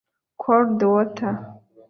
Cold Water